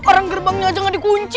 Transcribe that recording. orang gerbangnya aja nggak dikunci